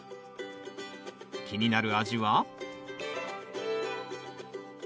気になる味は？